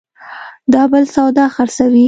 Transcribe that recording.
دا بل سودا خرڅوي